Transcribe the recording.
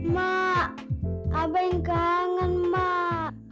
maaak abeng kangen maaak